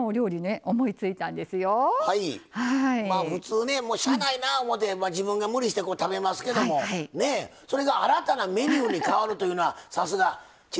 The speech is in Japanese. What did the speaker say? まあ普通ねしゃあないな思うて自分が無理して食べますけどもそれが新たなメニューに変わるというのはさすが千鶴さんでございますな。